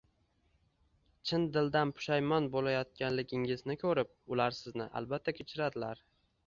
Chin dildan pushayomon bo‘layotganligingizni ko‘rib, ular sizni albatta kechiradilar.